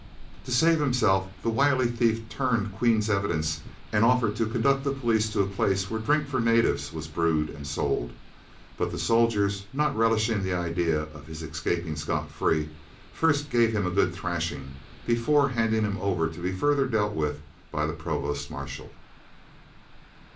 To save himself, the wily thief turned Queen's evidence and offered to conduct the police to a place where drink for natives was brewed and sold, but the soldiers, not relishing the idea of his escaping scot free, first gave him a good thrashing before handing him over to be further dealt with by the Provost Marshal.